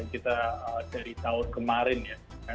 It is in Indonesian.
kita dari tahun kemarin ya